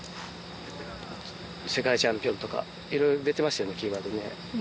世界チャンピオンとかいろいろ出てましたよねキーワードね。